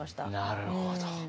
なるほど。